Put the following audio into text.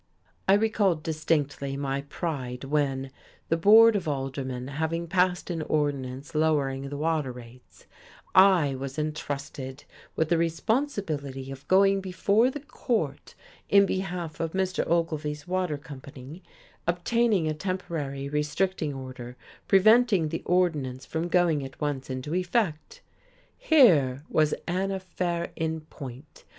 I recall distinctly my pride when, the Board of Aldermen having passed an ordinance lowering the water rates, I was intrusted with the responsibility of going before the court in behalf of Mr. Ogilvy's water company, obtaining a temporary restricting order preventing the ordinance from going at once into effect. Here was an affair in point.